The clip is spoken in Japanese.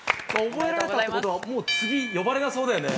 覚えられたってことはもう次、呼ばれなそうだよね。